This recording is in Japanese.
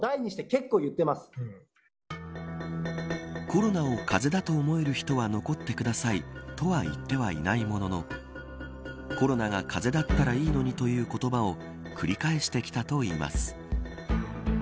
コロナを風邪だと思える人は残ってくださいとは言ってはいないもののコロナが風邪だったらいいのにという言葉を繰り返してきたといいます。